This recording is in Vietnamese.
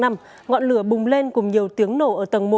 ngọn lửa bùng lên cùng nhiều tiếng nổ ở tầng một